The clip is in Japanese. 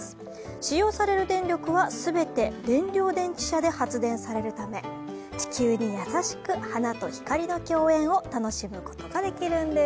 使用される電力は全て燃料電池車で発電されるため、地球に優しく花と光の競演を楽しむことができるんです。